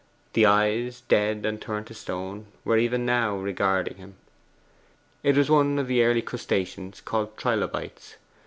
The eyes, dead and turned to stone, were even now regarding him. It was one of the early crustaceans called Trilobites.